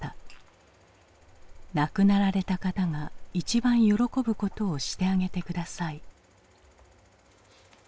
「亡くなられた方が一番喜ぶことをしてあげて下さい」。